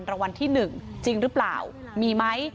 รางวัลที่๑จริงหรือเปล่ามีไหม